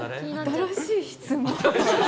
新しい質問。